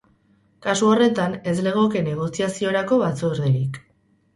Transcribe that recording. Kasu horretan, ez legoke negoziaziorako batzorderik.